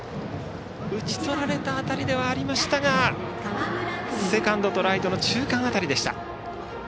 打ち取られた当たりではありましたがセカンドとライトの中間辺りでした。